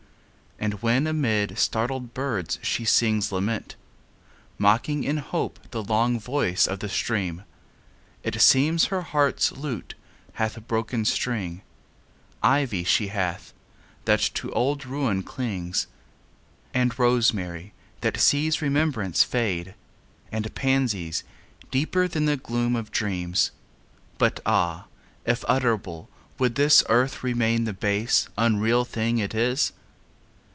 And when amid startled birds she sings lament, Mocking in hope the long voice of the stream, It seems her heart's lute hath a broken string. Ivy she hath, that to old ruin clings; And rosemary, that sees remembrance fade; And pansies, deeper than the gloom of dreams; But ah! if utterable, would this earth Remain the base, unreal thing it is?